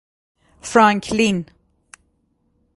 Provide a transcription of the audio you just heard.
فرانکلین